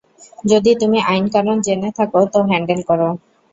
যদি তুমি আইন-কানুন জেনে থাকো, তো হ্যান্ডেল করো।